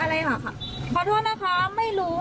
อะไรหรอคะขอโทษนะคะไม่รู้ค่ะ